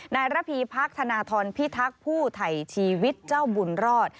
ระพีพักธนทรพิทักษ์ผู้ไถ่ชีวิตเจ้าบุญรอด